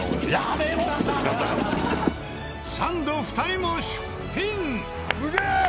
サンド２人も出品！